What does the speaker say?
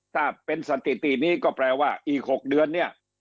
ถ้าเป็นสถิตินี้ก็แปลว่าอีก๖เดือนเนี่ย